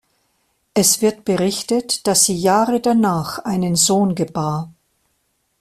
Es wird berichtet, dass sie Jahre danach einen Sohn gebar.